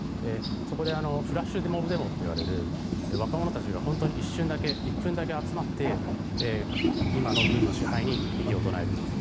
そこでフラッシュモブデモといわれる若者たちが本当に一瞬だけ１分だけ集まって今の軍の支配に異議を唱える。